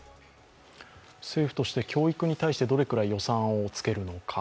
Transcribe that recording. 政府として教育に対してどれくらい予算をつけるのか。